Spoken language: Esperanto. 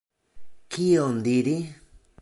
Kion diri!